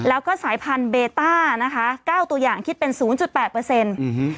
แล้วก็สายพันธุเบต้านะคะเก้าตัวอย่างคิดเป็นศูนย์จุดแปดเปอร์เซ็นต์อืม